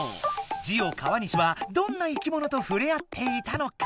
ジオ川西はどんないきものとふれあっていたのか？